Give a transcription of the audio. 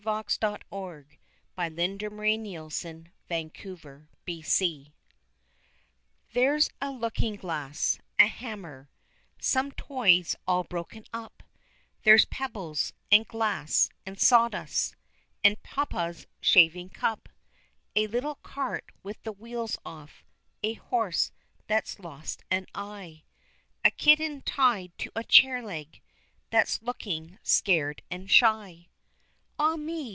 [Illustration: Decorative image unavailable.] Her Boy There's a looking glass, a hammer, Some toys all broken up, There's pebbles, and glass, and sawdust, And papa's shaving cup; A little cart with the wheels off, A horse that's lost an eye, A kitten tied to a chair leg That's looking scared and shy. "Ah me!"